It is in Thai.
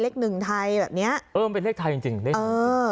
หนึ่งไทยแบบเนี้ยเออมันเป็นเลขไทยจริงจริงเลขหนึ่งเออ